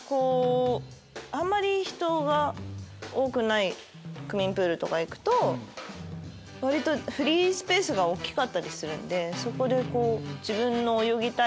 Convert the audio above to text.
あんまり人が多くない区民プールとか行くと割とフリースペースが大きかったりするんで。